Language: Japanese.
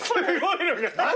何？